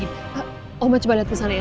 pak omah coba liat ke sana ya